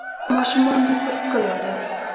ماشومان د کور ښکلا ده.